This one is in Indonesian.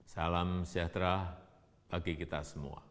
salam sejahtera bagi kita semua